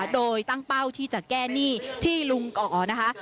โดยตั้งเป้าที่จะแก้หนี้ที่ลุงก่อนะคะ